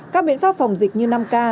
các biện pháp phẩm dịch như năm k